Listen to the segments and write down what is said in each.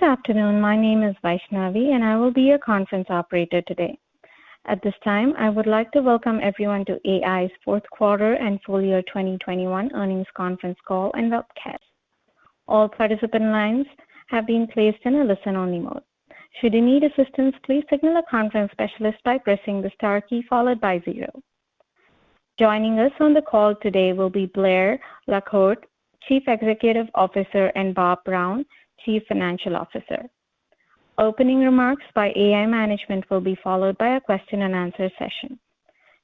Good afternoon, my name is Vaishnavi, and I will be your conference operator today. At this time, I would like to welcome everyone to AEye's fourth quarter and full year 2021 earnings conference call and webcast. All participant lines have been placed in a listen-only mode. Should you need assistance, please signal a conference specialist by pressing the star key followed by zero. Joining us on the call today will be Blair LaCorte, Chief Executive Officer, and Bob Brown, Chief Financial Officer. Opening remarks by AEye management will be followed by a question-and-answer session.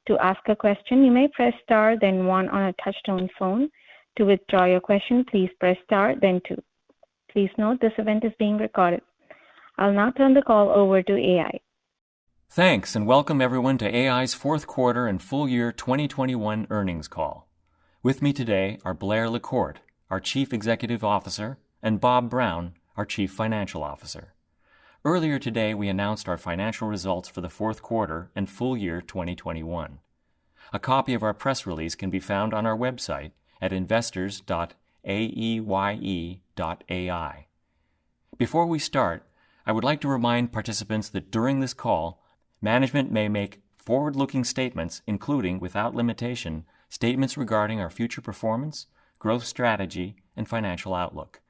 To ask a question, you may press star then one on a touch-tone phone. To withdraw your question, please press star then two. Please note this event is being recorded. I'll now turn the call over to AEye. Thanks, welcome everyone to AEye's fourth quarter and full year 2021 earnings call. With me today are Blair LaCorte, our Chief Executive Officer, and Bob Brown, our Chief Financial Officer. Earlier today, we announced our financial results for the fourth quarter and full year 2021. A copy of our press release can be found on our website at investors.aeye.ai. Before we start, I would like to remind participants that during this call, management may make forward-looking statements, including without limitation, statements regarding our future performance, growth strategy, and financial outlook.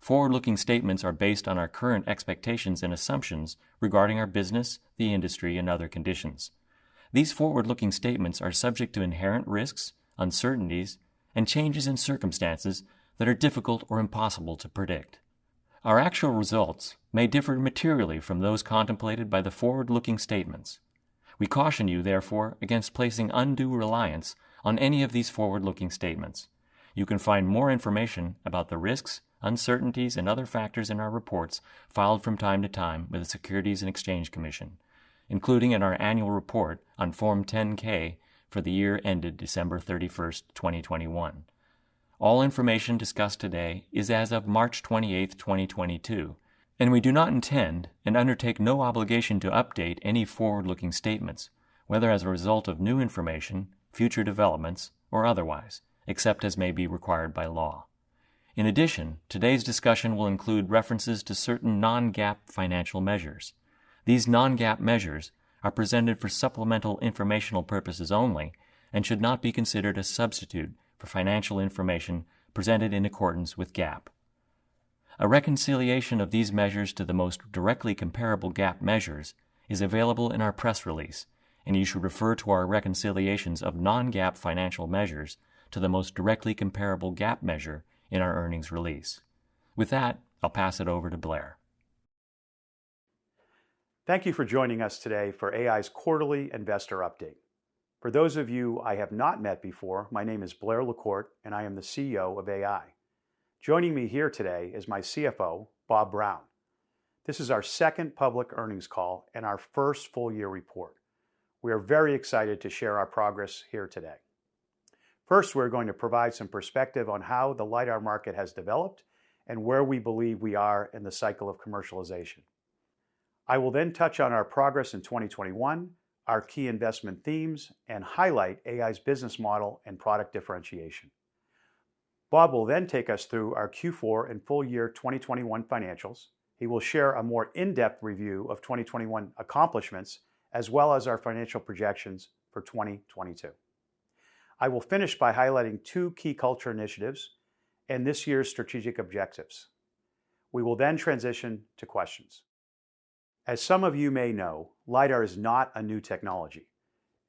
Forward-looking statements are based on our current expectations and assumptions regarding our business, the industry, and other conditions. These forward-looking statements are subject to inherent risks, uncertainties, and changes in circumstances that are difficult or impossible to predict. Our actual results may differ materially from those contemplated by the forward-looking statements. We caution you, therefore, against placing undue reliance on any of these forward-looking statements. You can find more information about the risks, uncertainties, and other factors in our reports filed from time-to-time with the Securities and Exchange Commission, including in our annual report on Form 10-K for the year ended December 31st, 2021. All information discussed today is as of March 28, 2022, and we do not intend and undertake no obligation to update any forward-looking statements, whether as a result of new information, future developments, or otherwise, except as may be required by law. In addition, today's discussion will include references to certain non-GAAP financial measures. These non-GAAP measures are presented for supplemental informational purposes only and should not be considered a substitute for financial information presented in accordance with GAAP. A reconciliation of these measures to the most directly comparable GAAP measures is available in our press release, and you should refer to our reconciliations of non-GAAP financial measures to the most directly comparable GAAP measure in our earnings release. With that, I'll pass it over to Blair. Thank you for joining us today for AEye's quarterly investor update. For those of you I have not met before, my name is Blair LaCorte, and I am the CEO of AEye. Joining me here today is my CFO, Bob Brown. This is our second public earnings call and our first full year report. We are very excited to share our progress here today. First, we're going to provide some perspective on how the lidar market has developed and where we believe we are in the cycle of commercialization. I will then touch on our progress in 2021, our key investment themes, and highlight AEye's business model and product differentiation. Bob will then take us through our Q4 and full year 2021 financials. He will share a more in-depth review of 2021 accomplishments, as well as our financial projections for 2022. I will finish by highlighting two key culture initiatives and this year's strategic objectives. We will then transition to questions. As some of you may know, lidar is not a new technology.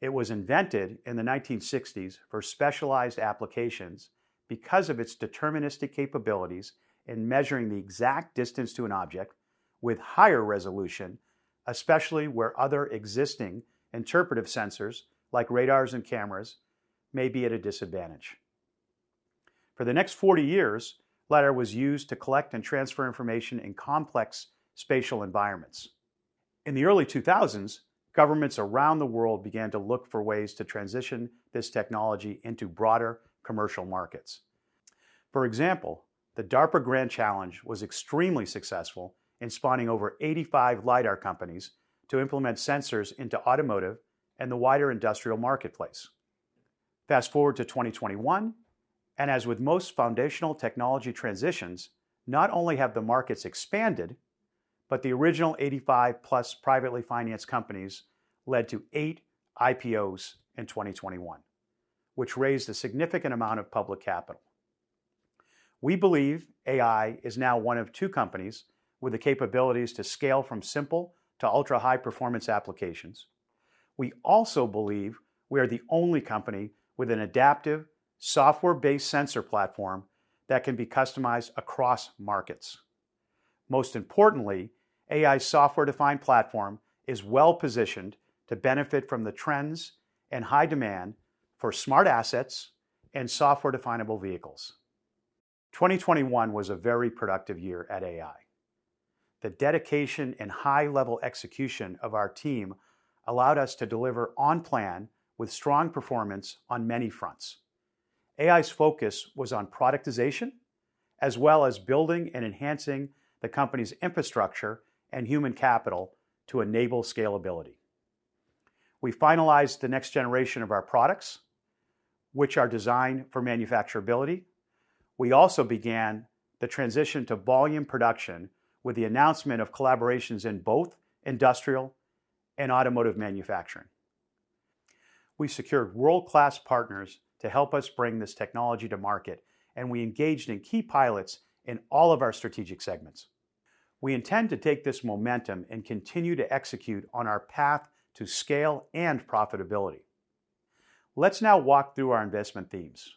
It was invented in the 1960s for specialized applications because of its deterministic capabilities in measuring the exact distance to an object with higher resolution, especially where other existing interpretive sensors, like radars and cameras, may be at a disadvantage. For the next 40 years, lidar was used to collect and transfer information in complex spatial environments. In the early 2000s, governments around the world began to look for ways to transition this technology into broader commercial markets. For example, the DARPA Grand Challenge was extremely successful in spawning over 85 lidar companies to implement sensors into automotive and the wider industrial marketplace. Fast-forward to 2021, and as with most foundational technology transitions, not only have the markets expanded, but the original 85+ privately financed companies led to eight IPOs in 2021, which raised a significant amount of public capital. We believe AEye is now one of two companies with the capabilities to scale from simple to ultra-high performance applications. We also believe we are the only company with an adaptive software-based sensor platform that can be customized across markets. Most importantly, AEye's software-defined platform is well-positioned to benefit from the trends and high demand for smart assets and software definable vehicles. 2021 was a very productive year at AEye. The dedication and high level execution of our team allowed us to deliver on plan with strong performance on many fronts. AEye's focus was on productization, as well as building and enhancing the company's infrastructure and human capital to enable scalability. We finalized the next generation of our products, which are designed for manufacturability. We also began the transition to volume production with the announcement of collaborations in both industrial and automotive manufacturing. We secured world-class partners to help us bring this technology to market, and we engaged in key pilots in all of our strategic segments. We intend to take this momentum and continue to execute on our path to scale and profitability. Let's now walk through our investment themes.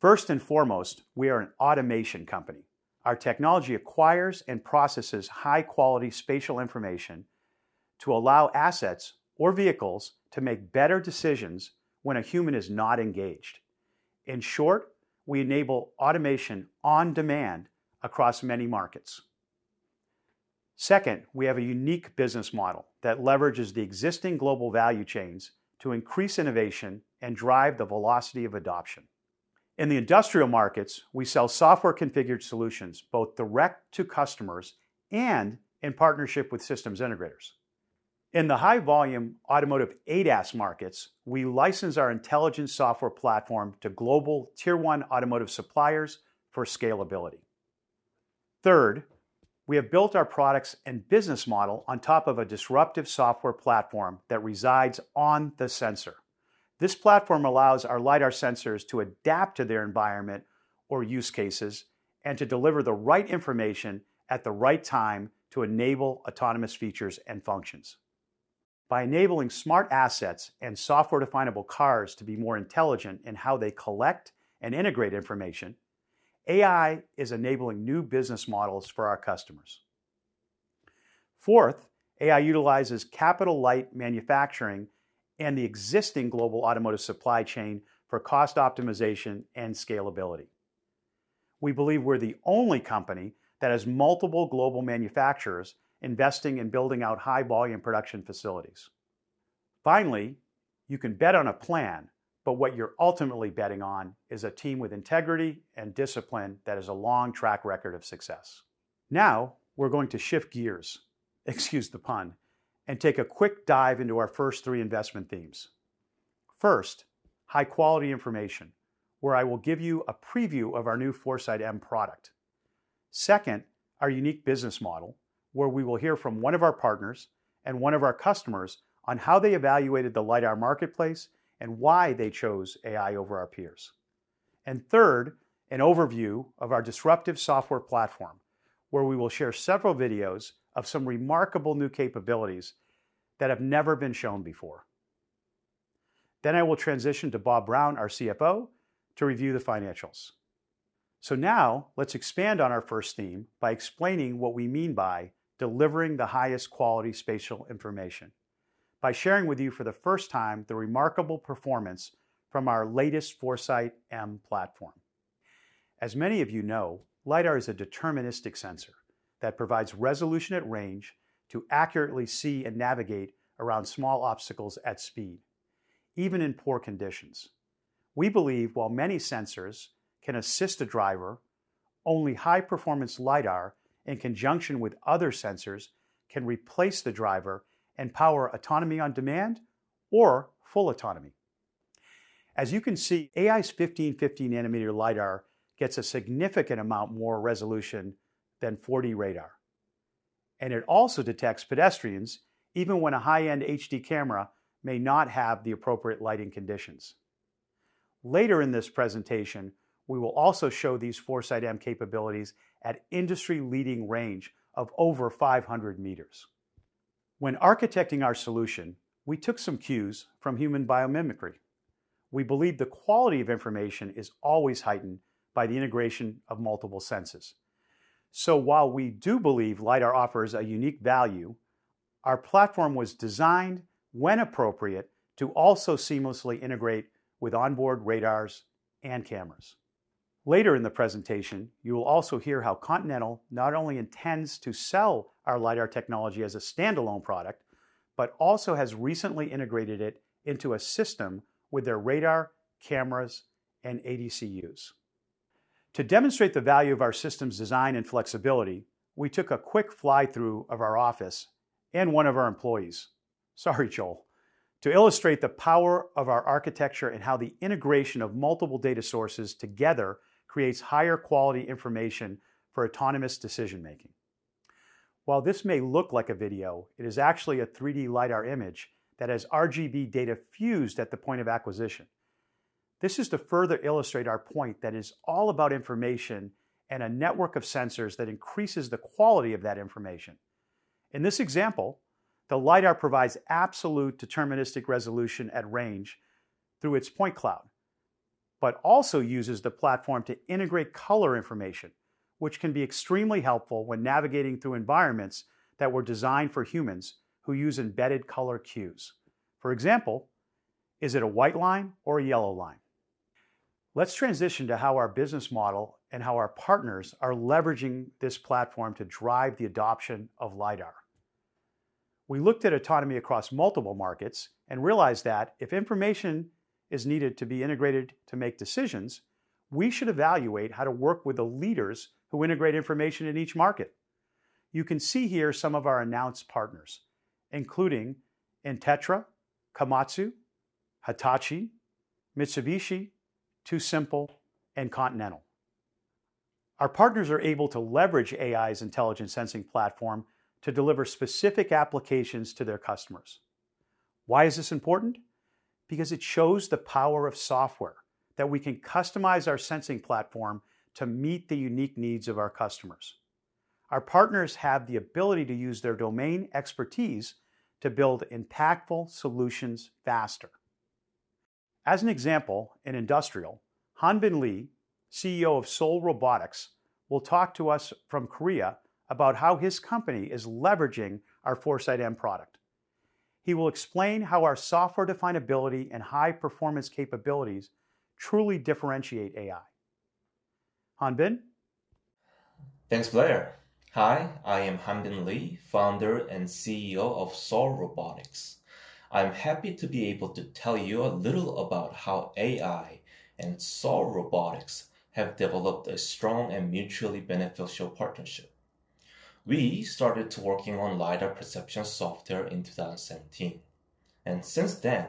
First and foremost, we are an automation company. Our technology acquires and processes high-quality spatial information to allow assets or vehicles to make better decisions when a human is not engaged. In short, we enable automation on demand across many markets. Second, we have a unique business model that leverages the existing global value chains to increase innovation and drive the velocity of adoption. In the industrial markets, we sell software-configured solutions, both direct to customers and in partnership with systems integrators. In the high-volume automotive ADAS markets, we license our intelligence software platform to global tier one automotive suppliers for scalability. Third, we have built our products and business model on top of a disruptive software platform that resides on the sensor. This platform allows our lidar sensors to adapt to their environment or use cases and to deliver the right information at the right time to enable autonomous features and functions. By enabling smart assets and software-definable cars to be more intelligent in how they collect and integrate information, AI is enabling new business models for our customers. Fourth, AI utilizes capital-light manufacturing and the existing global automotive supply chain for cost optimization and scalability. We believe we're the only company that has multiple global manufacturers investing in building out high-volume production facilities. Finally, you can bet on a plan, but what you're ultimately betting on is a team with integrity and discipline that has a long track record of success. Now, we're going to shift gears, excuse the pun, and take a quick dive into our first three investment themes. First, high-quality information, where I will give you a preview of our new 4Sight M product. Second, our unique business model, where we will hear from one of our partners and one of our customers on how they evaluated the lidar marketplace and why they chose AI over our peers. Third, an overview of our disruptive software platform, where we will share several videos of some remarkable new capabilities that have never been shown before. I will transition to Bob Brown, our CFO, to review the financials. Now let's expand on our first theme by explaining what we mean by delivering the highest quality spatial information by sharing with you for the first time the remarkable performance from our latest 4Sight M platform. As many of you know, lidar is a deterministic sensor that provides resolution at range to accurately see and navigate around small obstacles at speed, even in poor conditions. We believe while many sensors can assist a driver, only high-performance lidar in conjunction with other sensors can replace the driver and power autonomy on demand or full autonomy. As you can see, AEye's 1550 nanometer lidar gets a significant amount more resolution than 4D radar, and it also detects pedestrians even when a high-end HD camera may not have the appropriate lighting conditions. Later in this presentation, we will also show these 4sight M capabilities at industry-leading range of over 500 m. When architecting our solution, we took some cues from human biomimicry. We believe the quality of information is always heightened by the integration of multiple senses. While we do believe lidar offers a unique value, our platform was designed when appropriate to also seamlessly integrate with onboard radars and cameras. Later in the presentation, you will also hear how Continental not only intends to sell our lidar technology as a standalone product, but also has recently integrated it into a system with their radar, cameras, and ADCs. To demonstrate the value of our system's design and flexibility, we took a quick fly-through of our office and one of our employees, sorry, Joel, to illustrate the power of our architecture and how the integration of multiple data sources together creates higher quality information for autonomous decision-making. While this may look like a video, it is actually a 3D lidar image that has RGB data fused at the point of acquisition. This is to further illustrate our point that is all about information and a network of sensors that increases the quality of that information. In this example, the lidar provides absolute deterministic resolution at range through its point cloud, but also uses the platform to integrate color information, which can be extremely helpful when navigating through environments that were designed for humans who use embedded color cues. For example, is it a white line or a yellow line? Let's transition to how our business model and how our partners are leveraging this platform to drive the adoption of lidar. We looked at autonomy across multiple markets and realized that if information is needed to be integrated to make decisions, we should evaluate how to work with the leaders who integrate information in each market. You can see here some of our announced partners, including Intetra, Komatsu, Hitachi, Mitsubishi, TuSimple, and Continental. Our partners are able to leverage AEye's intelligent sensing platform to deliver specific applications to their customers. Why is this important? Because it shows the power of software, that we can customize our sensing platform to meet the unique needs of our customers. Our partners have the ability to use their domain expertise to build impactful solutions faster. As an example, in industrial, HanBin Lee, CEO of Seoul Robotics, will talk to us from Korea about how his company is leveraging our 4sight M product. He will explain how our software definability and high performance capabilities truly differentiate AEye. HanBin? Thanks, Blair. Hi, I am HanBin Lee, Founder and CEO of Seoul Robotics. I'm happy to be able to tell you a little about how AEye and Seoul Robotics have developed a strong and mutually beneficial partnership. We started working on lidar perception software in 2017, and since then,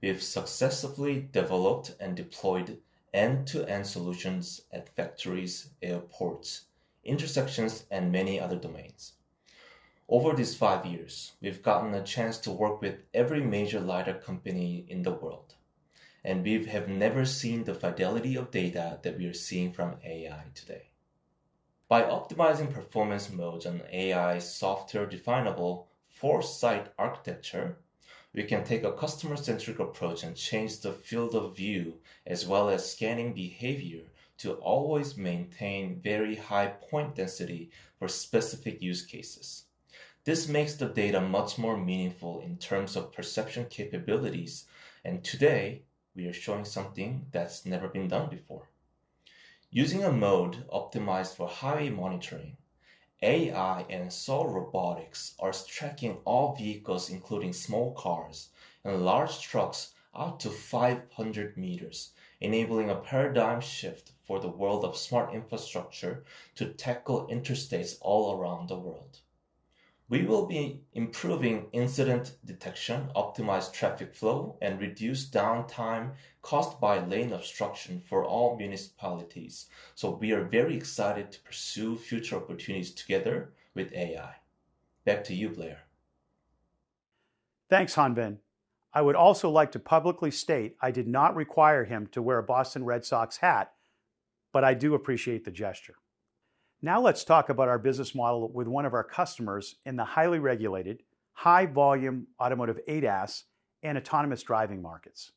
we have successfully developed and deployed end-to-end solutions at factories, airports, intersections, and many other domains. Over these five years, we've gotten a chance to work with every major lidar company in the world, and we have never seen the fidelity of data that we are seeing from AEye today. By optimizing performance modes on AEye's software definable Foresight architecture, we can take a customer-centric approach and change the field of view, as well as scanning behavior, to always maintain very high point density for specific use cases. This makes the data much more meaningful in terms of perception capabilities, and today, we are showing something that's never been done before. Using a mode optimized for highway monitoring, AEye and Seoul Robotics are tracking all vehicles, including small cars and large trucks, out to 500 m, enabling a paradigm shift for the world of smart infrastructure to tackle interstates all around the world. We will be improving incident detection, optimized traffic flow, and reduced downtime caused by lane obstruction for all municipalities. We are very excited to pursue future opportunities together with AEye. Back to you, Blair. Thanks, Hanbin. I would also like to publicly state I did not require him to wear a Boston Red Sox hat, but I do appreciate the gesture. Now let's talk about our business model with one of our customers in the highly regulated, high volume automotive ADAS and autonomous driving markets.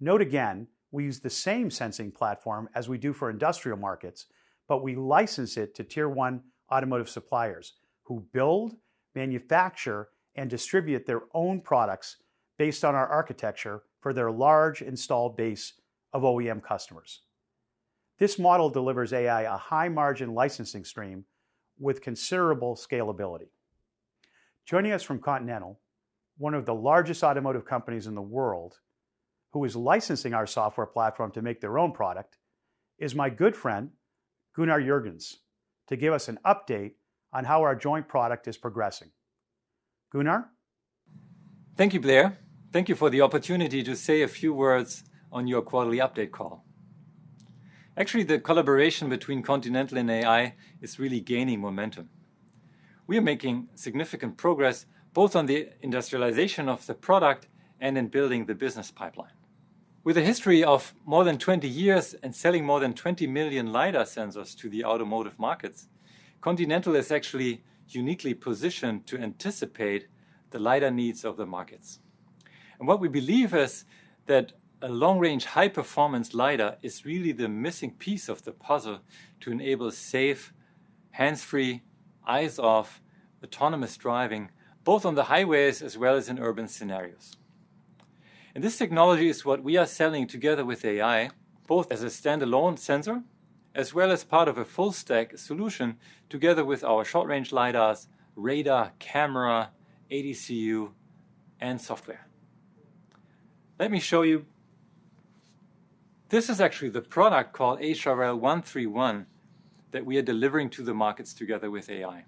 Note again, we use the same sensing platform as we do for industrial markets, but we license it to tier one automotive suppliers who build, manufacture, and distribute their own products based on our architecture for their large installed base of OEM customers. This model delivers AEye a high margin licensing stream with considerable scalability. Joining us from Continental, one of the largest automotive companies in the world, who is licensing our software platform to make their own product, is my good friend, Gunnar Juergens, to give us an update on how our joint product is progressing. Gunnar? Thank you, Blair. Thank you for the opportunity to say a few words on your quarterly update call. Actually, the collaboration between Continental and AEye is really gaining momentum. We are making significant progress both on the industrialization of the product and in building the business pipeline. With a history of more than 20 years and selling more than 20 million lidar sensors to the automotive markets, Continental is actually uniquely positioned to anticipate the lidar needs of the markets. What we believe is that a long-range, high-performance lidar is really the missing piece of the puzzle to enable safe, hands-free, eyes-off, autonomous driving, both on the highways as well as in urban scenarios. This technology is what we are selling together with AEye, both as a standalone sensor, as well as part of a full stack solution together with our short-range lidars, radar, camera, ADCU, and software. Let me show you. This is actually the product called HRL131 that we are delivering to the markets together with AEye.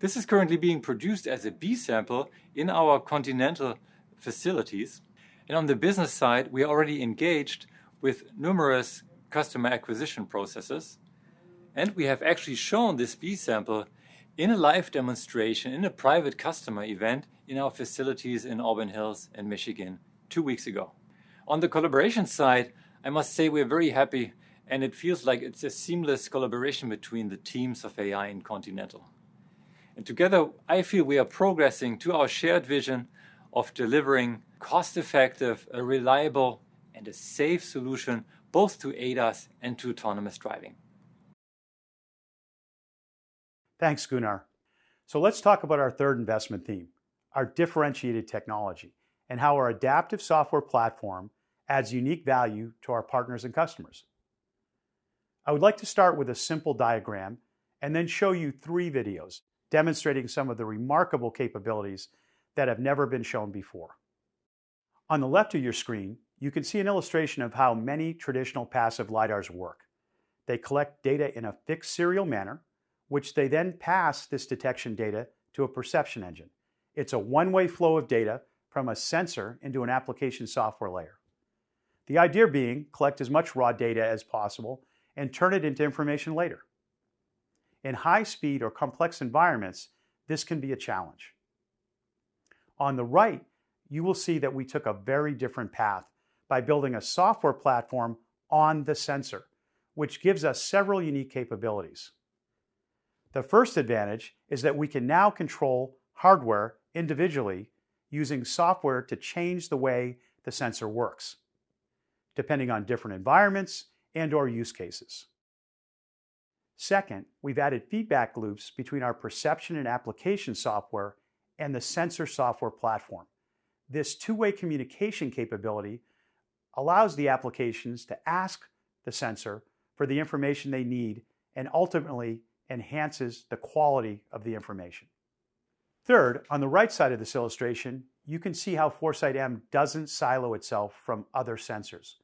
This is currently being produced as a B sample in our Continental facilities. On the business side, we already engaged with numerous customer acquisition processes, and we have actually shown this B sample in a live demonstration in a private customer event in our facilities in Auburn Hills, Michigan two weeks ago. On the collaboration side, I must say we're very happy, and it feels like it's a seamless collaboration between the teams of AEye and Continental. Together, I feel we are progressing to our shared vision of delivering cost-effective, reliable, and a safe solution both to ADAS and to autonomous driving. Thanks, Gunnar. Let's talk about our third investment theme, our differentiated technology, and how our adaptive software platform adds unique value to our partners and customers. I would like to start with a simple diagram and then show you three videos demonstrating some of the remarkable capabilities that have never been shown before. On the left of your screen, you can see an illustration of how many traditional passive lidars work. They collect data in a fixed serial manner, which they then pass this detection data to a perception engine. It's a one-way flow of data from a sensor into an application software layer. The idea being collect as much raw data as possible and turn it into information later. In high speed or complex environments, this can be a challenge. On the right, you will see that we took a very different path by building a software platform on the sensor, which gives us several unique capabilities. The first advantage is that we can now control hardware individually using software to change the way the sensor works, depending on different environments and/or use cases. Second, we've added feedback loops between our perception and application software and the sensor software platform. This two-way communication capability allows the applications to ask the sensor for the information they need and ultimately enhances the quality of the information. Third, on the right side of this illustration, you can see how 4Sight doesn't silo itself from other sensors.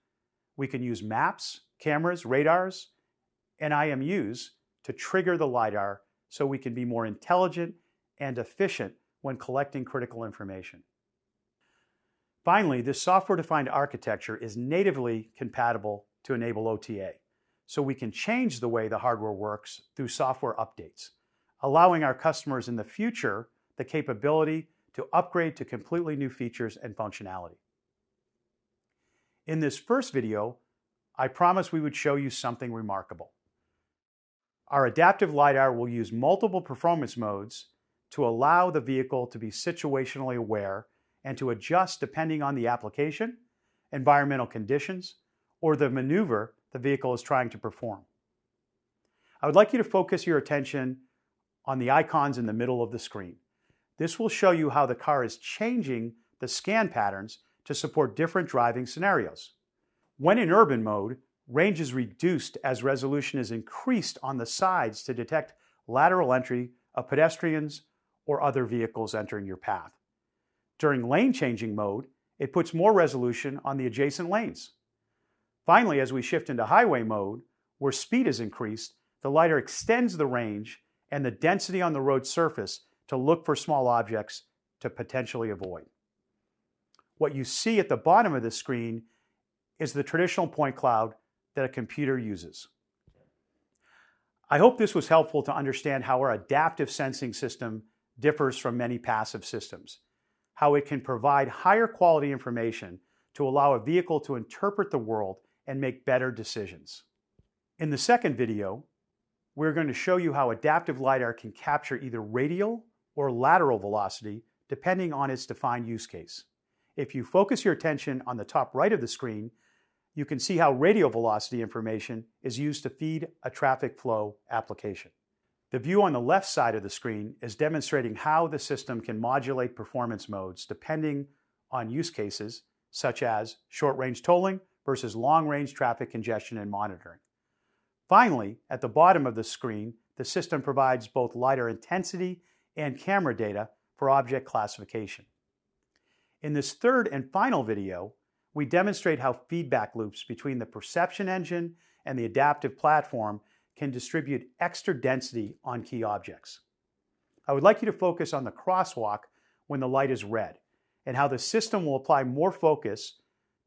We can use maps, cameras, radars, and IMUs to trigger the lidar so we can be more intelligent and efficient when collecting critical information. Finally, this software-defined architecture is natively compatible to enable OTA, so we can change the way the hardware works through software updates, allowing our customers in the future the capability to upgrade to completely new features and functionality. In this first video, I promised we would show you something remarkable. Our adaptive lidar will use multiple performance modes to allow the vehicle to be situationally aware and to adjust depending on the application, environmental conditions, or the maneuver the vehicle is trying to perform. I would like you to focus your attention on the icons in the middle of the screen. This will show you how the car is changing the scan patterns to support different driving scenarios. When in urban mode, range is reduced as resolution is increased on the sides to detect lateral entry of pedestrians or other vehicles entering your path. During lane changing mode, it puts more resolution on the adjacent lanes. Finally, as we shift into highway mode, where speed is increased, the lidar extends the range and the density on the road surface to look for small objects to potentially avoid. What you see at the bottom of the screen is the traditional point cloud that a computer uses. I hope this was helpful to understand how our adaptive sensing system differs from many passive systems, how it can provide higher quality information to allow a vehicle to interpret the world and make better decisions. In the second video, we're gonna show you how adaptive lidar can capture either radial or lateral velocity, depending on its defined use case. If you focus your attention on the top right of the screen, you can see how radial velocity information is used to feed a traffic flow application. The view on the left side of the screen is demonstrating how the system can modulate performance modes depending on use cases such as short-range tolling versus long-range traffic congestion and monitoring. Finally, at the bottom of the screen, the system provides both lidar intensity and camera data for object classification. In this third and final video, we demonstrate how feedback loops between the perception engine and the adaptive platform can distribute extra density on key objects. I would like you to focus on the crosswalk when the light is red and how the system will apply more focus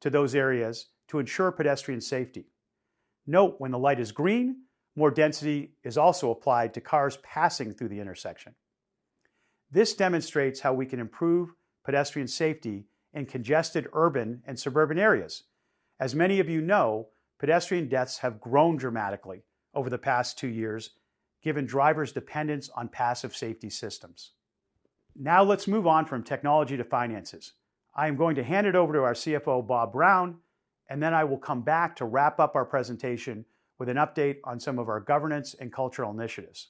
to those areas to ensure pedestrian safety. Note when the light is green, more density is also applied to cars passing through the intersection. This demonstrates how we can improve pedestrian safety in congested urban and suburban areas. As many of you know, pedestrian deaths have grown dramatically over the past two years, given drivers' dependence on passive safety systems. Now let's move on from technology to finances. I am going to hand it over to our CFO, Bob Brown, and then I will come back to wrap up our presentation with an update on some of our governance and cultural initiatives.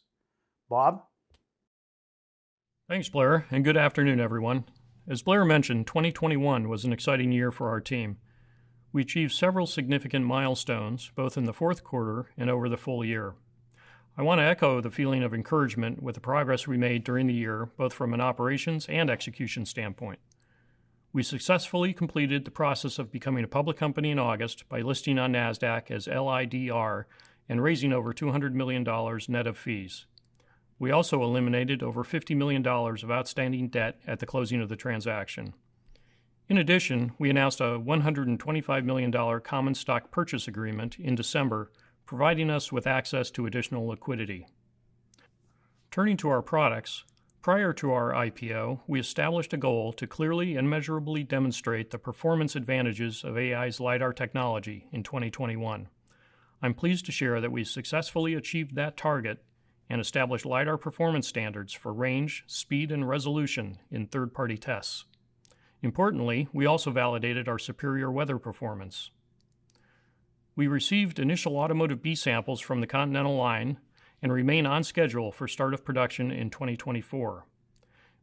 Bob? Thanks, Blair, and good afternoon, everyone. As Blair mentioned, 2021 was an exciting year for our team. We achieved several significant milestones, both in the fourth quarter and over the full year. I want to echo the feeling of encouragement with the progress we made during the year, both from an operations and execution standpoint. We successfully completed the process of becoming a public company in August by listing on Nasdaq as LIDR and raising over $200 million net of fees. We also eliminated over $50 million of outstanding debt at the closing of the transaction. In addition, we announced a $125 million common stock purchase agreement in December, providing us with access to additional liquidity. Turning to our products, prior to our IPO, we established a goal to clearly and measurably demonstrate the performance advantages of AEye's lidar technology in 2021. I'm pleased to share that we successfully achieved that target and established lidar performance standards for range, speed, and resolution in third-party tests. Importantly, we also validated our superior weather performance. We received initial automotive B-samples from the Continental line and remain on schedule for start of production in 2024.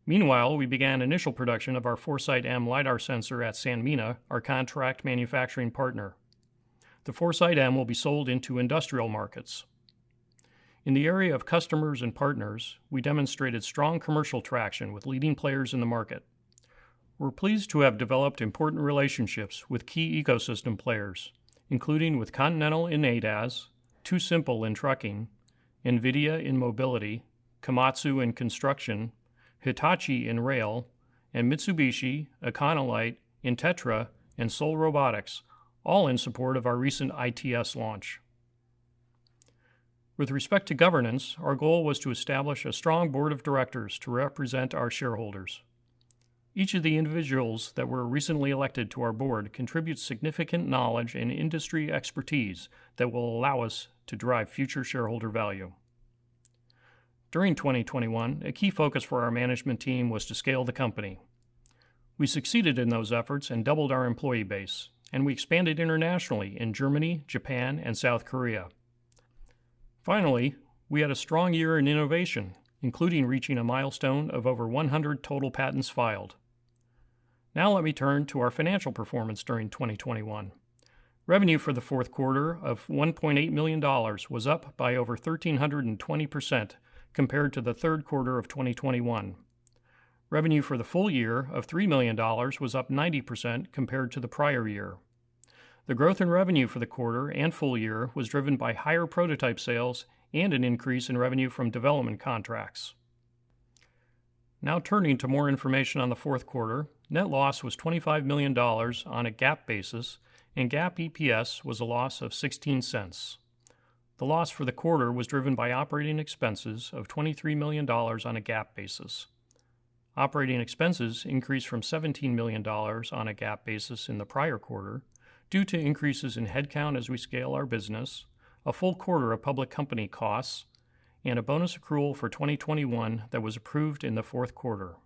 Meanwhile, we began initial production of our 4Sight M lidar sensor at Sanmina, our contract manufacturing partner. The 4Sight M will be sold into industrial markets. In the area of customers and partners, we demonstrated strong commercial traction with leading players in the market. We're pleased to have developed important relationships with key ecosystem players, including with Continental in ADAS, TuSimple in trucking, NVIDIA in mobility, Komatsu in construction, Hitachi in rail, and Mitsubishi, Econolite, Intetra, and Seoul Robotics, all in support of our recent ITS launch. With respect to governance, our goal was to establish a strong board of directors to represent our shareholders. Each of the individuals that were recently elected to our board contributes significant knowledge and industry expertise that will allow us to drive future shareholder value. During 2021, a key focus for our management team was to scale the company. We succeeded in those efforts and doubled our employee base, and we expanded internationally in Germany, Japan, and South Korea. Finally, we had a strong year in innovation, including reaching a milestone of over 100 total patents filed. Now let me turn to our financial performance during 2021. Revenue for the fourth quarter of $1.8 million was up by over 1,320% compared to the third quarter of 2021. Revenue for the full year of $3 million was up 90% compared to the prior year. The growth in revenue for the quarter and full year was driven by higher prototype sales and an increase in revenue from development contracts. Now turning to more information on the fourth quarter, net loss was $25 million on a GAAP basis, and GAAP EPS was a loss of $0.16. The loss for the quarter was driven by operating expenses of $23 million on a GAAP basis. Operating expenses increased from $17 million on a GAAP basis in the prior quarter due to increases in headcount as we scale our business, a full quarter of public company costs, and a bonus accrual for 2021 that was approved in the fourth quarter.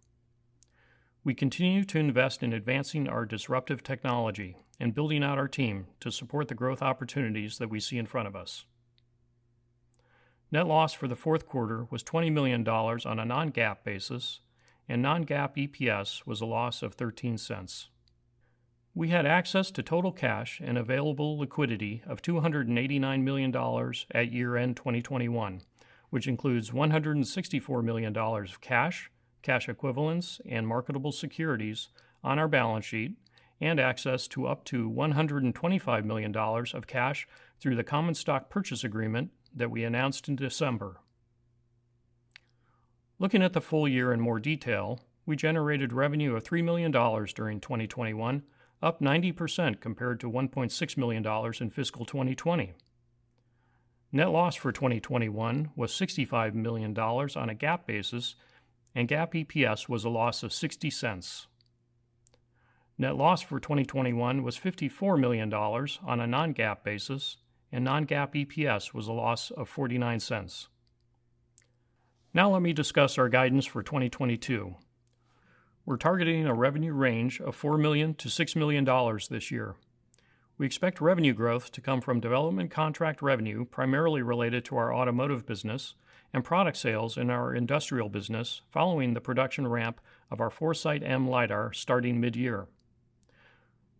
We continue to invest in advancing our disruptive technology and building out our team to support the growth opportunities that we see in front of us. Net loss for the fourth quarter was $20 million on a non-GAAP basis, and non-GAAP EPS was a loss of $0.13. We had access to total cash and available liquidity of $289 million at year-end 2021, which includes $164 million of cash equivalents, and marketable securities on our balance sheet, and access to up to $125 million of cash through the common stock purchase agreement that we announced in December. Looking at the full year in more detail, we generated revenue of $3 million during 2021, up 90% compared to $1.6 million in fiscal 2020. Net loss for 2021 was $65 million on a GAAP basis, and GAAP EPS was a loss of $0.60. Net loss for 2021 was $54 million on a non-GAAP basis, and non-GAAP EPS was a loss of $0.49. Now let me discuss our guidance for 2022. We're targeting a revenue range of $4 million-$6 million this year. We expect revenue growth to come from development contract revenue primarily related to our automotive business and product sales in our industrial business following the production ramp of our 4Sight M LiDAR starting mid-year.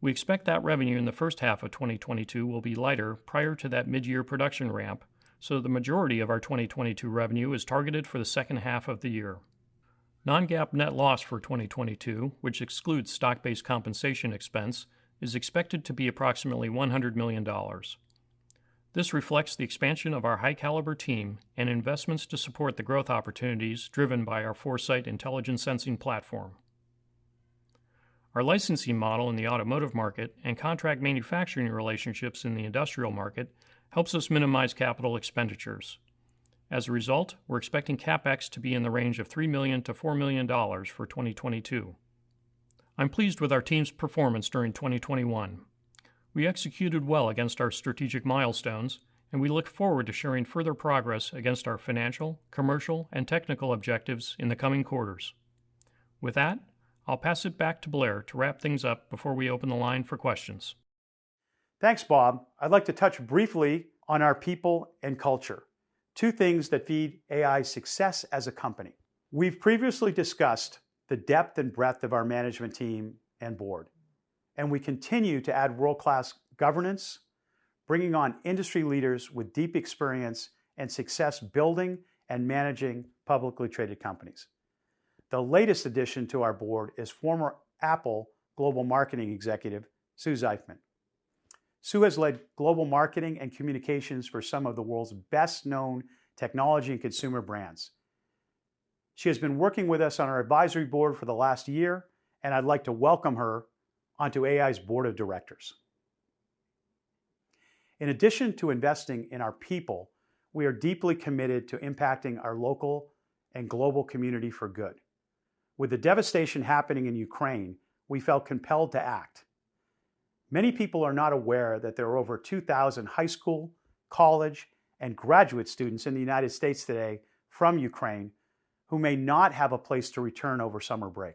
We expect that revenue in the first half of 2022 will be lighter prior to that mid-year production ramp, so the majority of our 2022 revenue is targeted for the second half of the year. Non-GAAP net loss for 2022, which excludes stock-based compensation expense, is expected to be approximately $100 million. This reflects the expansion of our high-caliber team and investments to support the growth opportunities driven by our Foresight intelligence sensing platform. Our licensing model in the automotive market and contract manufacturing relationships in the industrial market helps us minimize capital expenditures. As a result, we're expecting CapEx to be in the range of $3 million-$4 million for 2022. I'm pleased with our team's performance during 2021. We executed well against our strategic milestones, and we look forward to sharing further progress against our financial, commercial, and technical objectives in the coming quarters. With that, I'll pass it back to Blair to wrap things up before we open the line for questions. Thanks, Bob. I'd like to touch briefly on our people and culture, two things that feed AEye's success as a company. We've previously discussed the depth and breadth of our management team and board, and we continue to add world-class governance, bringing on industry leaders with deep experience and success building and managing publicly traded companies. The latest addition to our board is former Apple global marketing executive, Sue Zeifman. Sue has led global marketing and communications for some of the world's best-known technology and consumer brands. She has been working with us on our advisory board for the last year, and I'd like to welcome her onto AEye's board of directors. In addition to investing in our people, we are deeply committed to impacting our local and global community for good. With the devastation happening in Ukraine, we felt compelled to act. Many people are not aware that there are over 2,000 high school, college, and graduate students in the United States today from Ukraine who may not have a place to return over summer break.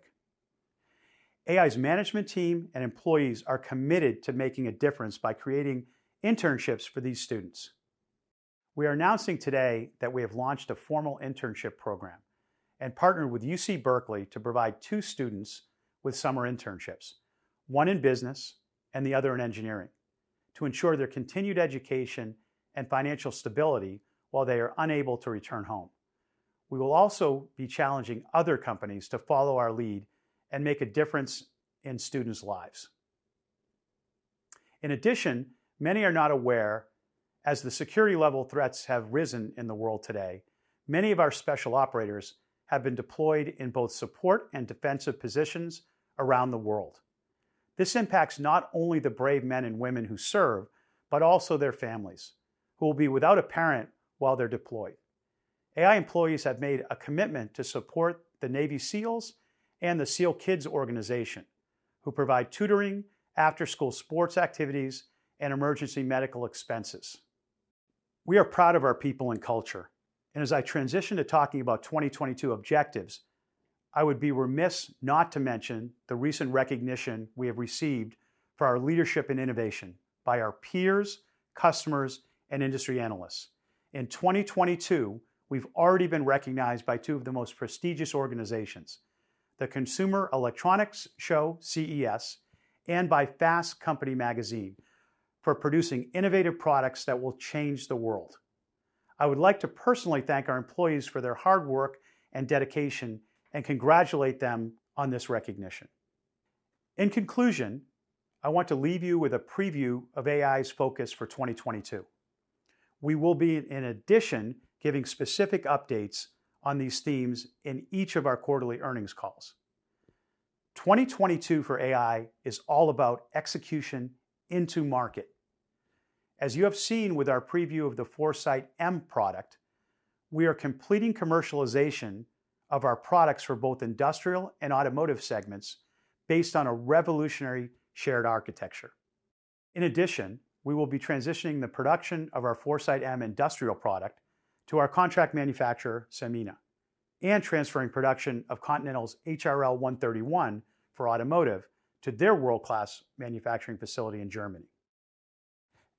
AEye's management team and employees are committed to making a difference by creating internships for these students. We are announcing today that we have launched a formal internship program and partnered with UC Berkeley to provide two students with summer internships, one in business and the other in engineering, to ensure their continued education and financial stability while they are unable to return home. We will also be challenging other companies to follow our lead and make a difference in students' lives. In addition, many are not aware, as the security level threats have risen in the world today, many of our special operators have been deployed in both support and defensive positions around the world. This impacts not only the brave men and women who serve, but also their families, who will be without a parent while they're deployed. AEye employees have made a commitment to support the Navy SEALs and the SEALKIDS organization, who provide tutoring, after-school sports activities, and emergency medical expenses. We are proud of our people and culture, and as I transition to talking about 2022 objectives, I would be remiss not to mention the recent recognition we have received for our leadership and innovation by our peers, customers, and industry analysts. In 2022, we've already been recognized by two of the most prestigious organizations, the Consumer Electronics Show, CES, and by Fast Company magazine, for producing innovative products that will change the world. I would like to personally thank our employees for their hard work and dedication and congratulate them on this recognition. In conclusion, I want to leave you with a preview of AEye's focus for 2022. We will be, in addition, giving specific updates on these themes in each of our quarterly earnings calls. 2022 for AEye is all about execution into market. As you have seen with our preview of the 4Sight M product, we are completing commercialization of our products for both industrial and automotive segments based on a revolutionary shared architecture. In addition, we will be transitioning the production of our 4Sight M industrial product to our contract manufacturer, Sanmina, and transferring production of Continental's HRL131 for automotive to their world-class manufacturing facility in Germany.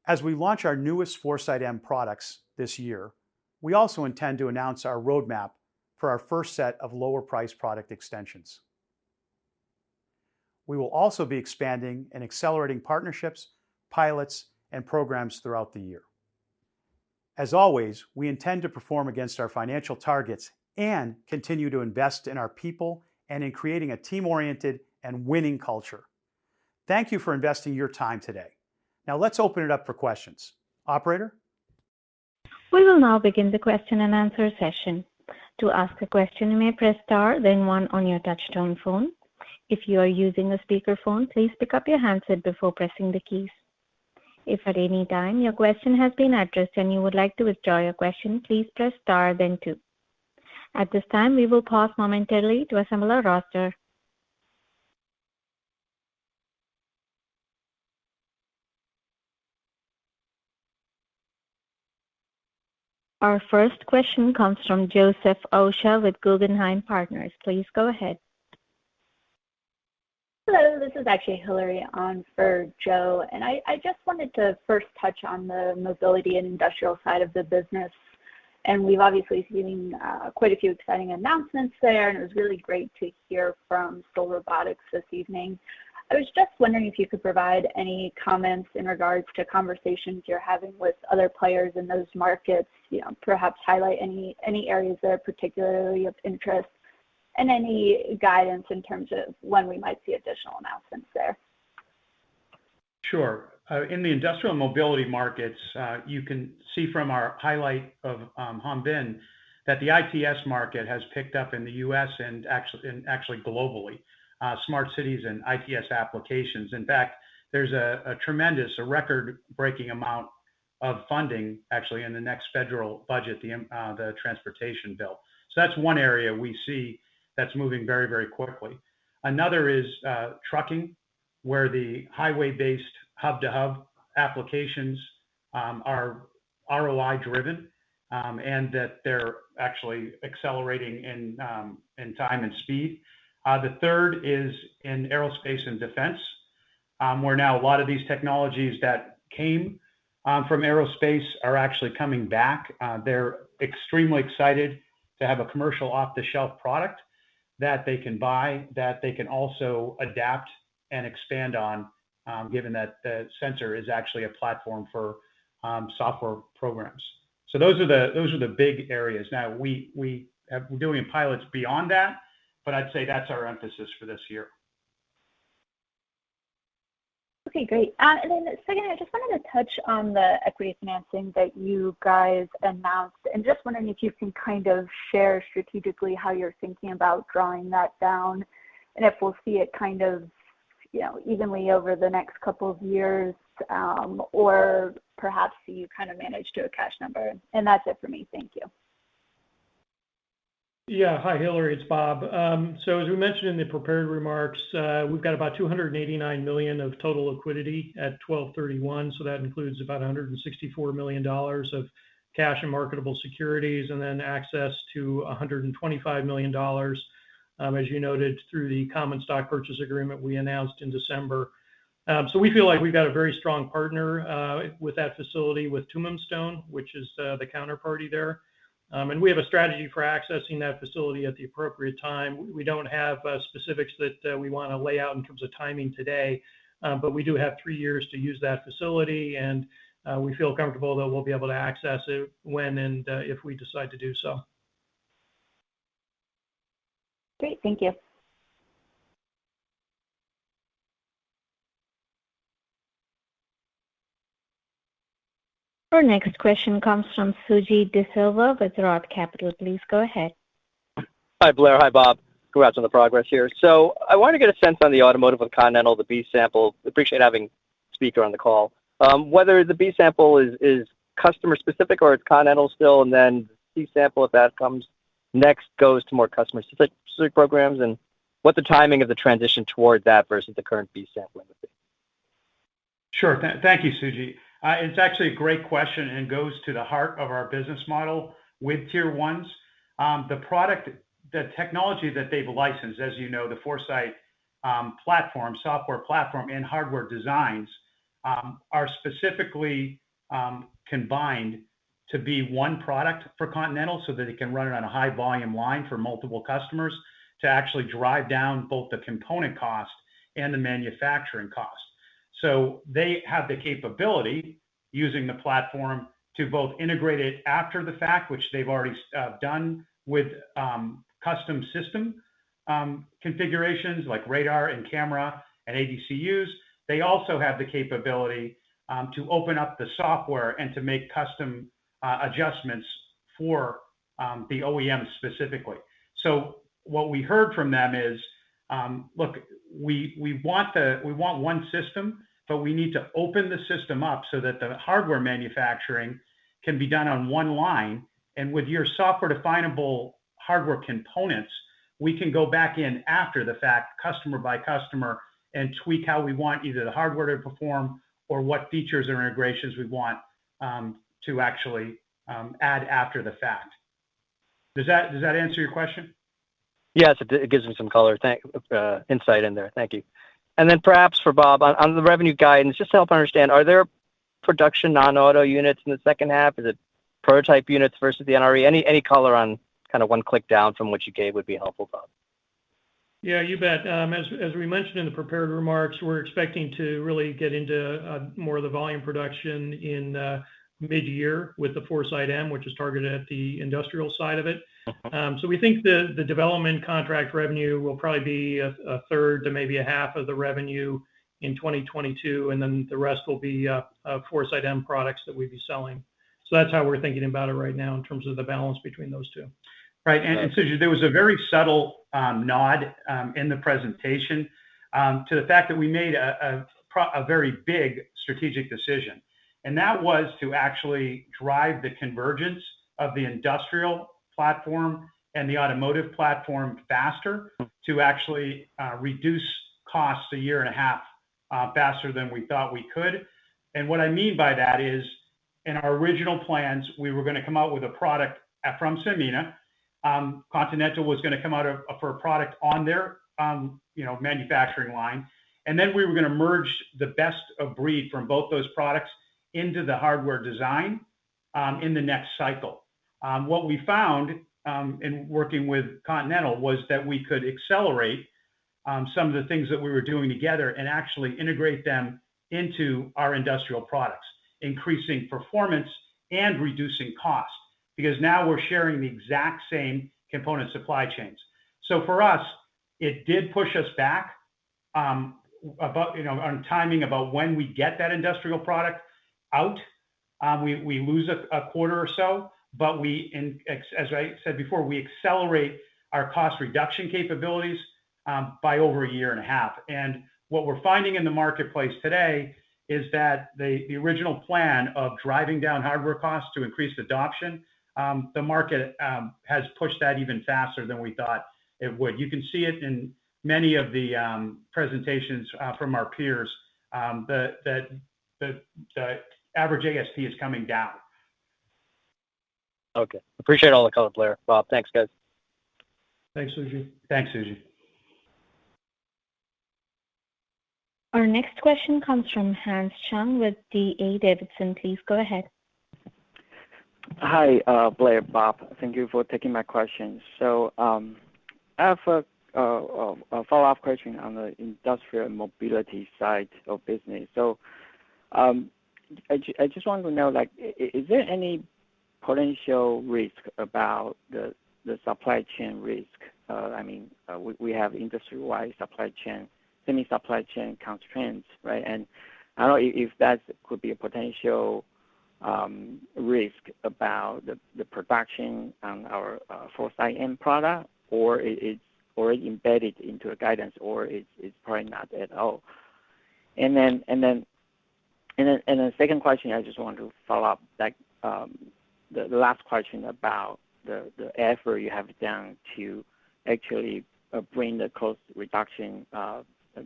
As we launch our newest 4Sight M products this year, we also intend to announce our roadmap for our first set of lower-priced product extensions. We will also be expanding and accelerating partnerships, pilots, and programs throughout the year. As always, we intend to perform against our financial targets and continue to invest in our people and in creating a team-oriented and winning culture. Thank you for investing your time today. Now let's open it up for questions. Operator? We will now begin the question-and-answer session. To ask a question, you may press star then one on your touchtone phone. If you are using a speakerphone, please pick up your handset before pressing the keys. If at any time your question has been addressed and you would like to withdraw your question, please press star then two. At this time, we will pause momentarily to assemble our roster. Our first question comes from Joseph Osha with Guggenheim Partners. Please go ahead. Hello, this is actually Hillary on for Joe, and I just wanted to first touch on the mobility and industrial side of the business. We've obviously seen quite a few exciting announcements there, and it was really great to hear from Seoul Robotics this evening. I was just wondering if you could provide any comments in regards to conversations you're having with other players in those markets, you know, perhaps highlight any areas that are particularly of interest and any guidance in terms of when we might see additional announcements there. Sure. In the industrial mobility markets, you can see from our highlight of Hanbin that the ITS market has picked up in the U.S. and actually globally, smart cities and ITS applications. In fact, there's a tremendous, record-breaking amount of funding actually in the next federal budget, the transportation bill. So that's one area we see that's moving very, very quickly. Another is trucking, where the highway-based hub-to-hub applications are ROI driven, and that they're actually accelerating in time and speed. The third is in aerospace and defense, where now a lot of these technologies that came from aerospace are actually coming back. They're extremely excited to have a commercial off-the-shelf product that they can buy, that they can also adapt and expand on, given that the sensor is actually a platform for software programs. Those are the big areas. Now we are doing pilots beyond that, but I'd say that's our emphasis for this year. Okay, great. Second, I just wanted to touch on the equity financing that you guys announced, and just wondering if you can kind of share strategically how you're thinking about drawing that down, and if we'll see it kind of, you know, evenly over the next couple of years, or perhaps you kind of manage to a cash number. That's it for me. Thank you. Yeah. Hi, Hillary, it's Bob. So as we mentioned in the prepared remarks, we've got about $289 million of total liquidity at 12/31, so that includes about $164 million of cash and marketable securities, and then access to $125 million, as you noted, through the common stock purchase agreement we announced in December. So we feel like we've got a very strong partner with that facility with Tumim Stone, which is the counterparty there. We have a strategy for accessing that facility at the appropriate time. We don't have specifics that we wanna lay out in terms of timing today, but we do have three years to use that facility, and we feel comfortable that we'll be able to access it when and if we decide to do so. Great. Thank you. Our next question comes from Suji De Silva with Roth Capital. Please go ahead. Hi, Blair. Hi, Bob. Congrats on the progress here. I wanted to get a sense on the automotive and Continental, the B sample. Appreciate having speaker on the call. Whether the B sample is customer specific or it's Continental still, and then C sample, if that comes next, goes to more customer specific programs and what the timing of the transition towards that versus the current B sampling would be. Sure. Thank you, Suji. It's actually a great question and goes to the heart of our business model with tier ones. The product, the technology that they've licensed, as you know, the Foresight platform, software platform and hardware designs, are specifically combined to be one product for Continental so that it can run it on a high volume line for multiple customers to actually drive down both the component cost and the manufacturing cost. They have the capability using the platform to both integrate it after the fact, which they've already done with custom system configurations like radar and camera and ADCs. They also have the capability to open up the software and to make custom adjustments for the OEMs specifically. What we heard from them is, "Look, we want one system, but we need to open the system up so that the hardware manufacturing can be done on one line. With your software definable hardware components, we can go back in after the fact, customer by customer, and tweak how we want either the hardware to perform or what features or integrations we want to actually add after the fact." Does that answer your question? Yes. It gives me some color, insight in there. Thank you. Then perhaps for Bob, on the revenue guidance, just to help understand, are there production non-auto units in the second half? Is it prototype units versus the NRE? Any color on kind of one click down from what you gave would be helpful, Bob. Yeah, you bet. As we mentioned in the prepared remarks, we're expecting to really get into more of the volume production in mid-year with the 4Sight M, which is targeted at the industrial side of it. Okay. We think the development contract revenue will probably be a third to maybe a half of the revenue in 2022, and then the rest will be 4Sight M products that we'd be selling. That's how we're thinking about it right now in terms of the balance between those two. Got it. Right. Suji, there was a very subtle nod in the presentation to the fact that we made a very big strategic decision, and that was to actually drive the convergence of the industrial platform and the automotive platform faster to actually reduce costs a year and a half faster than we thought we could. What I mean by that is, in our original plans, we were gonna come out with a product from Sanmina. Continental was gonna come out with a product on their you know manufacturing line. Then we were gonna merge the best of breed from both those products into the hardware design in the next cycle. What we found in working with Continental was that we could accelerate some of the things that we were doing together and actually integrate them into our industrial products, increasing performance and reducing cost, because now we're sharing the exact same component supply chains. So for us, it did push us back, you know, on timing about when we get that industrial product out. We lose a quarter or so, but as I said before, we accelerate our cost reduction capabilities by over a year and a half. What we're finding in the marketplace today is that the original plan of driving down hardware costs to increase adoption, the market has pushed that even faster than we thought it would. You can see it in many of the presentations from our peers, the average ASP is coming down. Okay. I appreciate all the color, Blair. Bob. Thanks, guys. Thanks, Suji. Thanks, Suji. Our next question comes from Hans Chung with D.A. Davidson. Please go ahead. Hi, Blair, Bob. Thank you for taking my questions. I have a follow-up question on the industrial mobility side of business. I just want to know, like is there any potential risk about the supply chain risk? I mean, we have industry-wide supply chain, semi supply chain constraints, right? I don't know if that could be a potential risk about the production on our Foresight end product or it's already embedded into a guidance or it's probably not at all. Second question, I just want to follow up, like the last question about the effort you have done to actually bring the cost reduction,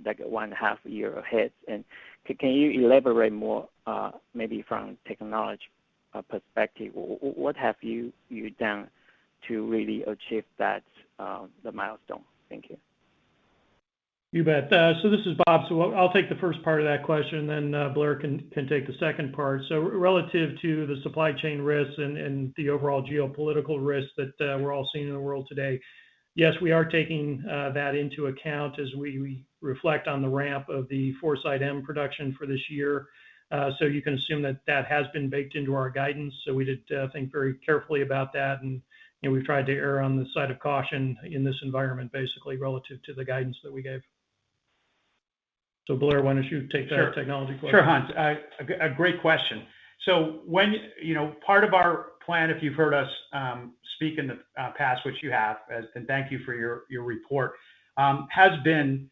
like one half year ahead. Can you elaborate more, maybe from technology perspective, what have you done to really achieve that the milestone? Thank you. You bet. This is Bob. I'll take the first part of that question then, Blair can take the second part. Relative to the supply chain risks and the overall geopolitical risks that we're all seeing in the world today, yes, we are taking that into account as we reflect on the ramp of the 4Sight M production for this year. You can assume that has been baked into our guidance. We did think very carefully about that, and, you know, we tried to err on the side of caution in this environment, basically relative to the guidance that we gave. Blair, why don't you take the technology part? Sure, Hans. A great question. You know, part of our plan, if you've heard us speak in the past, which you have, and thank you for your report, has been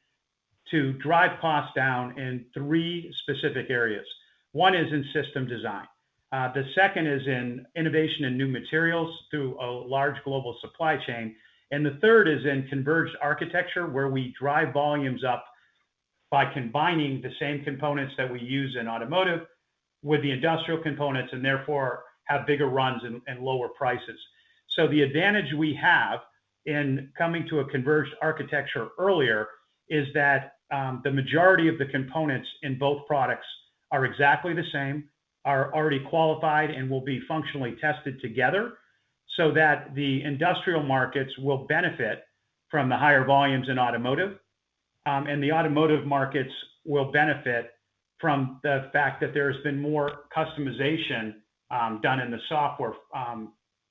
to drive costs down in three specific areas. One is in system design. The second is in innovation and new materials through a large global supply chain. The third is in converged architecture, where we drive volumes up by combining the same components that we use in automotive with the industrial components, and therefore have bigger runs and lower prices. The advantage we have in coming to a converged architecture earlier is that the majority of the components in both products are exactly the same, are already qualified, and will be functionally tested together so that the industrial markets will benefit from the higher volumes in automotive, and the automotive markets will benefit from the fact that there has been more customization done in the software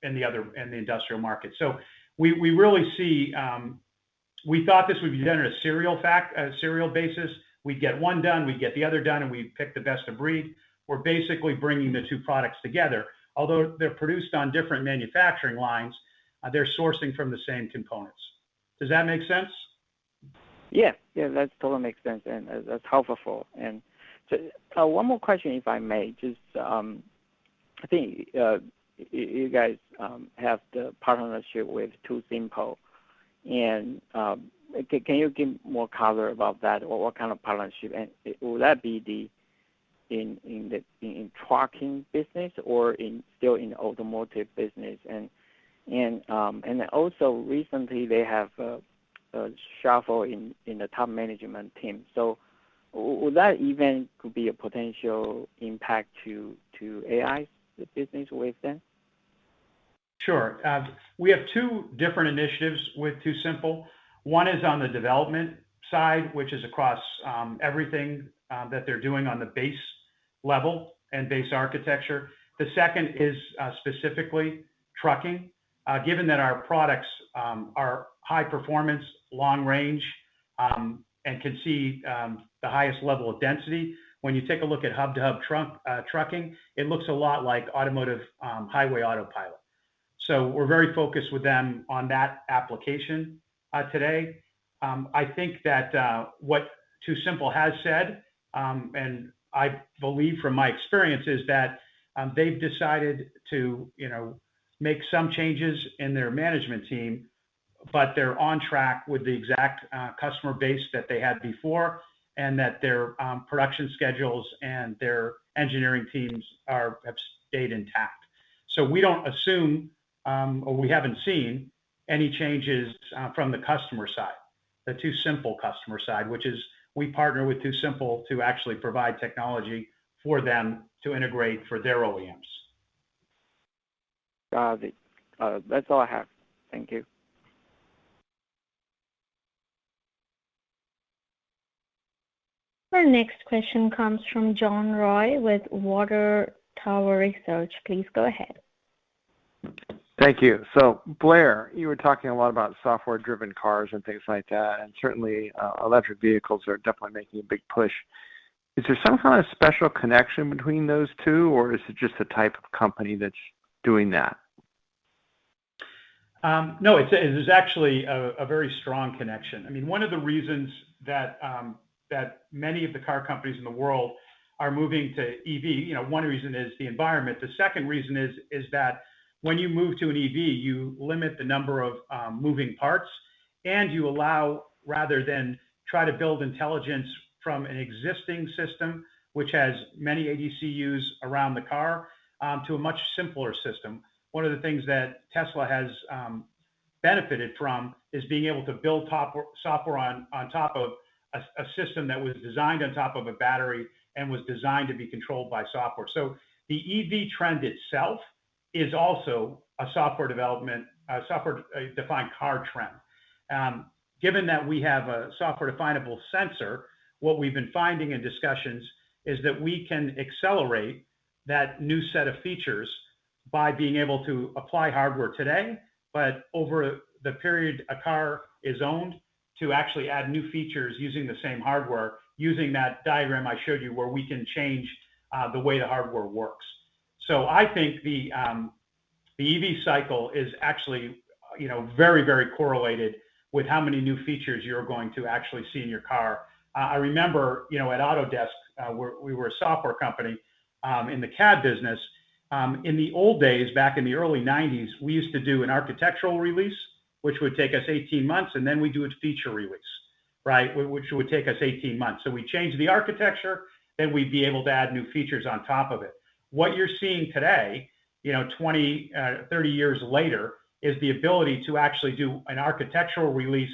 in the industrial market. We really see we thought this would be done on a serial basis. We'd get one done, we'd get the other done, and we'd pick the best of breed. We're basically bringing the two products together. Although they're produced on different manufacturing lines, they're sourcing from the same components. Does that make sense? Yeah. Yeah, that totally makes sense, and that's helpful. One more question, if I may. Just, I think, you guys have the partnership with TuSimple and, can you give more color about that or what kind of partnership? Will that be in the trucking business or still in automotive business? Then also recently they have a shuffle in the top management team. Will that even could be a potential impact to AEye's business with them? Sure. We have two different initiatives with TuSimple. One is on the development side, which is across everything that they're doing on the base level and base architecture. The second is specifically trucking. Given that our products are high performance, long range, and can see the highest level of density, when you take a look at hub-to-hub trunk trucking, it looks a lot like automotive highway autopilot. We're very focused with them on that application today. I think that what TuSimple has said and I believe from my experience is that they've decided to, you know, make some changes in their management team, but they're on track with the exact customer base that they had before, and that their production schedules and their engineering teams have stayed intact. We don't assume, or we haven't seen any changes from the customer side, the TuSimple customer side, which is we partner with TuSimple to actually provide technology for them to integrate for their OEMs. Got it. That's all I have. Thank you. Our next question comes from John Roy with Water Tower Research. Please go ahead. Thank you. Blair, you were talking a lot about software-driven cars and things like that, and certainly, electric vehicles are definitely making a big push. Is there some kind of special connection between those two, or is it just the type of company that's doing that? No. It is actually a very strong connection. I mean, one of the reasons that many of the car companies in the world are moving to EV, you know, one reason is the environment. The second reason is that when you move to an EV, you limit the number of moving parts, and you allow rather than try to build intelligence from an existing system, which has many ADCs around the car, to a much simpler system. One of the things that Tesla has benefited from is being able to build software on top of a system that was designed on top of a battery and was designed to be controlled by software. So the EV trend itself is also a software-defined car trend. Given that we have a software definable sensor, what we've been finding in discussions is that we can accelerate that new set of features by being able to apply hardware today, but over the period a car is owned to actually add new features using the same hardware, using that diagram I showed you where we can change the way the hardware works. I think the EV cycle is actually, you know, very, very correlated with how many new features you're going to actually see in your car. I remember, you know, at Autodesk, we were a software company in the CAD business. In the old days, back in the early 1990s, we used to do an architectural release, which would take us 18 months, and then we'd do a feature release, right? Which would take us 18 months. We'd change the architecture, then we'd be able to add new features on top of it. What you're seeing today, you know, 20-30 years later, is the ability to actually do an architectural release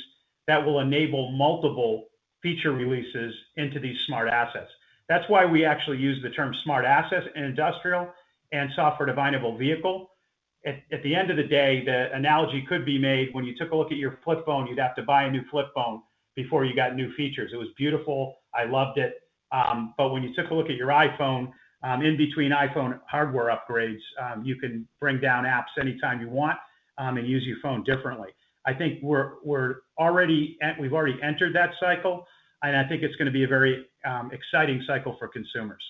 that will enable multiple feature releases into these smart assets. That's why we actually use the term smart assets in industrial and software-defined vehicle. At the end of the day, the analogy could be made when you took a look at your flip phone, you'd have to buy a new flip phone before you got new features. It was beautiful. I loved it. When you took a look at your iPhone, in between iPhone hardware upgrades, you can download apps anytime you want, and use your phone differently. I think we've already entered that cycle, and I think it's gonna be a very exciting cycle for consumers.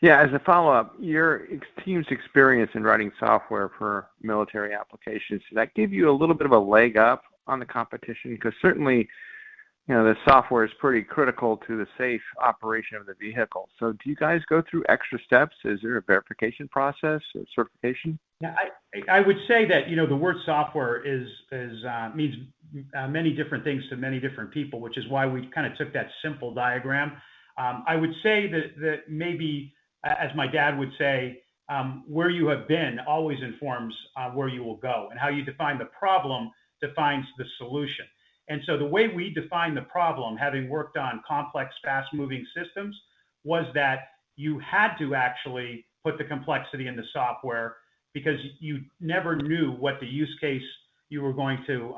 Yeah. As a follow-up, your team's experience in writing software for military applications, does that give you a little bit of a leg up on the competition? Because certainly, you know, the software is pretty critical to the safe operation of the vehicle. Do you guys go through extra steps? Is there a verification process or certification? I would say that, you know, the word software is means many different things to many different people, which is why we kind of took that simple diagram. I would say that maybe as my dad would say, where you have been always informs where you will go, and how you define the problem defines the solution. The way we define the problem, having worked on complex, fast-moving systems, was that you had to actually put the complexity in the software because you never knew what the use case you were going to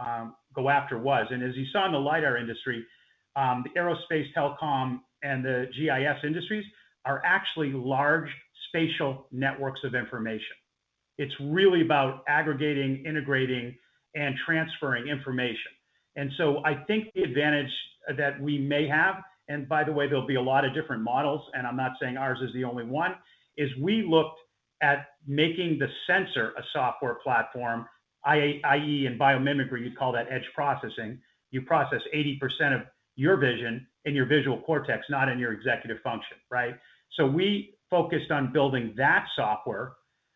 go after was. As you saw in the lidar industry, the aerospace, telecom, and the GIS industries are actually large spatial networks of information. It's really about aggregating, integrating, and transferring information. I think the advantage that we may have, and by the way, there'll be a lot of different models, and I'm not saying ours is the only one, is we looked at making the sensor a software platform, i.e., in biomimicry, you'd call that edge processing. You process 80% of your vision in your visual cortex, not in your executive function, right? We focused on building that software,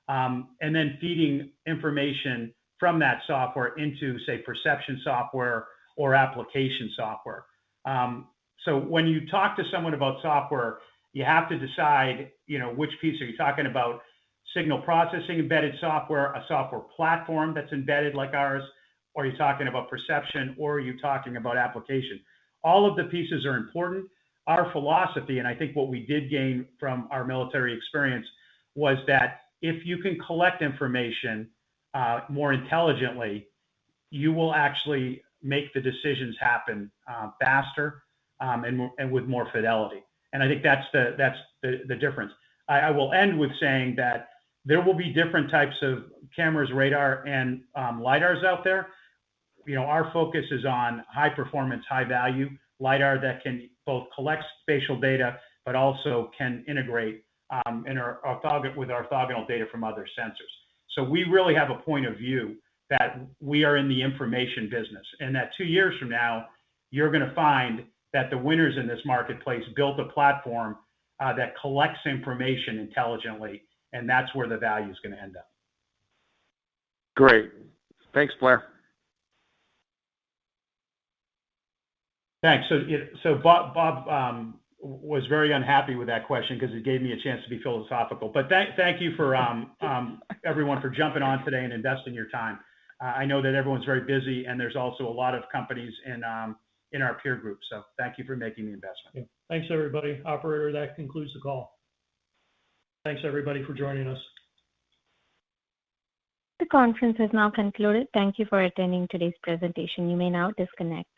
and then feeding information from that software into, say, perception software or application software. When you talk to someone about software, you have to decide, you know, which piece are you talking about. Signal processing, embedded software, a software platform that's embedded like ours, or are you talking about perception, or are you talking about application? All of the pieces are important. Our philosophy, and I think what we did gain from our military experience, was that if you can collect information more intelligently, you will actually make the decisions happen faster, and with more fidelity. I think that's the difference. I will end with saying that there will be different types of cameras, radar, and lidars out there. You know, our focus is on high performance, high value lidar that can both collect spatial data but also can integrate with orthogonal data from other sensors. We really have a point of view that we are in the information business, and that two years from now, you're going to find that the winners in this marketplace built a platform that collects information intelligently, and that's where the value is going to end up. Great. Thanks, Blair. Thanks. Bob was very unhappy with that question because it gave me a chance to be philosophical. Thank you for everyone for jumping on today and investing your time. I know that everyone's very busy, and there's also a lot of companies in our peer group. Thank you for making the investment. Yeah. Thanks, everybody. Operator, that concludes the call. Thanks, everybody, for joining us. The conference has now concluded. Thank you for attending today's presentation. You may now disconnect.